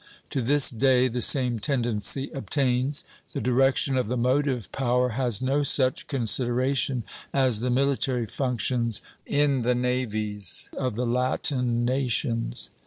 To this day the same tendency obtains; the direction of the motive power has no such consideration as the military functions in the navies of the Latin nations.